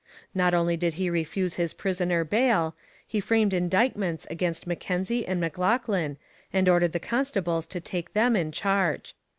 Not only did he refuse his prisoner bail; he framed indictments against M'Kenzie and M'Loughlin and ordered the constables to take them in charge.